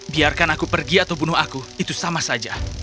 biarkan aku pergi atau bunuh aku itu sama saja